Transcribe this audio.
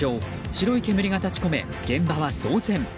白い煙が立ち込め現場は騒然。